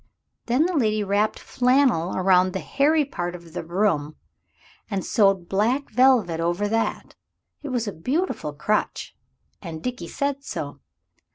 Then the lady wrapped flannel around the hairy part of the broom and sewed black velvet over that. It was a beautiful crutch, and Dickie said so.